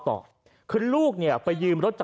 ก็ได้พลังเท่าไหร่ครับ